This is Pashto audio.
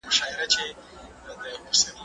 زه پرون د کتابتوننۍ سره وم؟